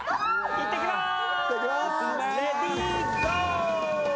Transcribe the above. いってきまーす。